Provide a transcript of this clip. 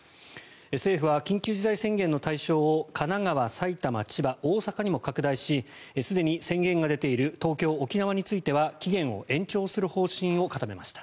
政府は緊急事態宣言の対象を神奈川、埼玉、千葉、大阪にも拡大しすでに宣言が出ている東京、沖縄については期限を延長する方針を固めました。